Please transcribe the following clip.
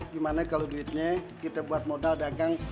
gimana kalau duitnya kita buat modal dagang